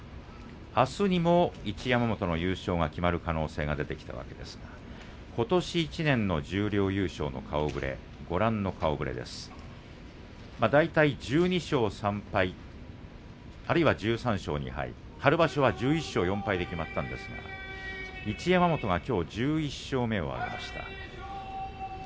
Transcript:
あすにも一山本の優勝が決まる可能性が出てきたわけですがことし１年の十両優勝の顔ぶれ大体、１２勝３敗あるいは１３勝２敗春場所は１１勝４敗で決まったんですが一山本はきょう１１勝目を挙げました。